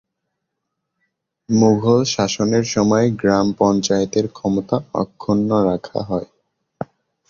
মুগল শাসনের সময় গ্রাম পঞ্চায়েতের ক্ষমতা অক্ষুণ্ণ রাখা হয়।